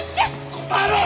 答えろ！